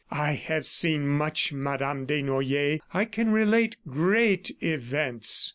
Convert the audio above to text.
"I have seen much, Madame Desnoyers. ... I can relate great events."